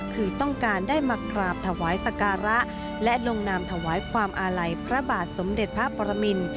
คือต้องการได้มากราบถวายสการะและลงนามถวายความอาลัยพระบาทสมเด็จพระปรมิน